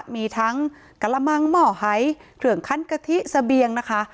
มีทั้งกระมังหม้อหายเครื่องคันกะทิเสบียงนะคะ